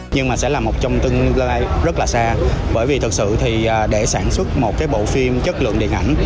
nhưng mà sẽ là một trong tương lai rất là xa bởi vì thực sự thì để sản xuất một cái bộ phim chất lượng điện ảnh